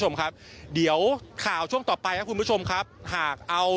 คุณผู้ชมครับเดี๋ยวข่าวช่วงต่อไปครับคุณผู้ชมครับหากเอา